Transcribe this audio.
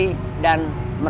ke rumah yang sama